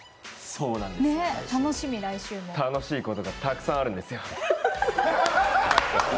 そうなんですよ、楽しいことがたくさんあるんですよ。